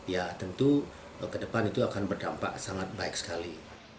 ya tentu kedepan itu akan berdampak sangat baik sekali